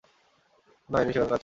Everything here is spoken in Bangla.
কোনো আইনই সেখানে কাজ করবে না।